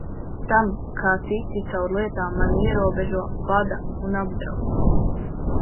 Tam, kā citi caur lietām mani ierobežo, vada un apdraud.